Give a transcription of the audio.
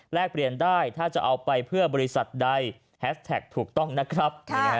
เปลี่ยนได้ถ้าจะเอาไปเพื่อบริษัทใดแฮสแท็กถูกต้องนะครับ